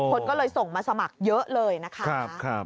คนก็เลยส่งมาสมัครเยอะเลยนะคะ